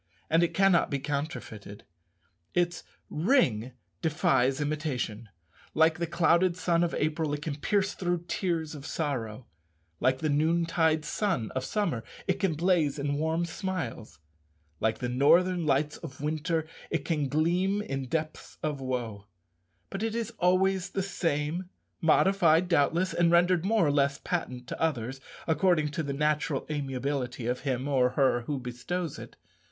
And it cannot be counterfeited. Its ring defies imitation. Like the clouded sun of April, it can pierce through tears of sorrow; like the noontide sun of summer, it can blaze in warm smiles; like the northern lights of winter, it can gleam in depths of woe; but it is always the same, modified, doubtless, and rendered more or less patent to others, according to the natural amiability of him or her who bestows it.